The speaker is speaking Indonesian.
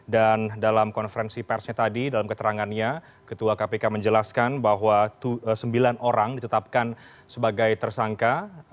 dan dalam konferensi persnya tadi dalam keterangannya ketua kpk menjelaskan bahwa sembilan orang ditetapkan sebagai tersangka